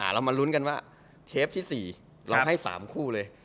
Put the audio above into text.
เรามาลุ้นกันว่าเทปที่๔เราให้๓คู่เลย